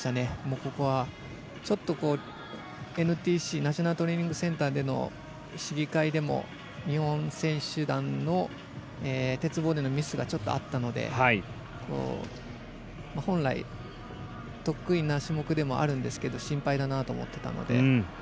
ここは、ちょっと、ＮＴＣ＝ナショナルトレーニングセンター試技会でも日本選手団の鉄棒でのミスがあったので本来、得意な種目でもあるんですけど心配だなと思っていたので。